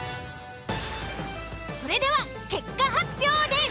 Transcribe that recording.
それでは結果発表です。